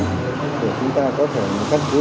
để ghi hình để chúng ta có thể khắc phú